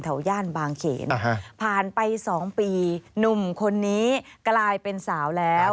ย่านบางเขนผ่านไป๒ปีหนุ่มคนนี้กลายเป็นสาวแล้ว